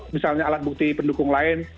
misalnya alat bukti pendukung lain